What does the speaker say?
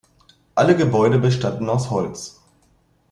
Alle Gebäude bestanden aus Holz.